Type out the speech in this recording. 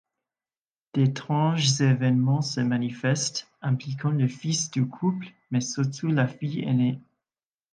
D’étranges événements se manifestent, impliquant le fils du couple, mais surtout la fille ainée.